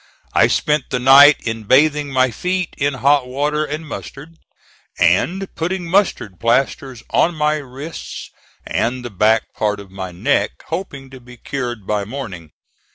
I spent the night in bathing my feet in hot water and mustard, and putting mustard plasters on my wrists and the back part of my neck, hoping to be cured by morning.